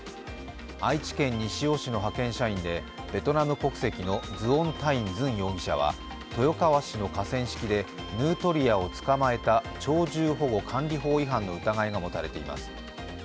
愛知県西尾市の派遣社員でベトナム国籍のズオン・タイン・ズン容疑者は豊川市の河川敷でヌートリアを捕まえた鳥獣保護管理法違反の疑いが持たれています。